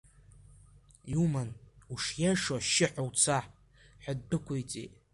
Иуман ушиашо ашьшьыҳәа уца, ҳәа ддәықәылҵеит.